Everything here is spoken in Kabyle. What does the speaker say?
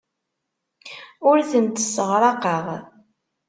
Ur tent-sseɣraqeɣ.